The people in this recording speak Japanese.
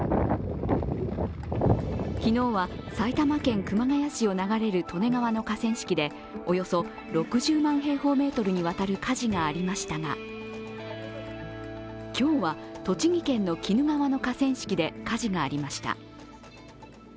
昨日は、埼玉県熊谷市を流れる利根川の河川敷でおよそ６０万平方メートルにわたる火事がありましたが、今日は、栃木県の鬼怒川の河川敷で火事がありました。